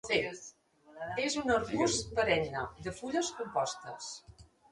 És un arbust perenne, de fulles compostes.